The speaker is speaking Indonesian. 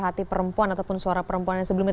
hati perempuan ataupun suara perempuan yang sebelumnya